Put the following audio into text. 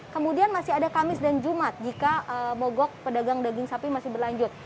kemudian masih ada kamis dan jumat jika mogok pedagang daging sapi masih berlanjut